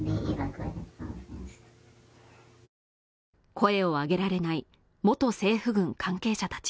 声を上げられない元政府軍関係者たち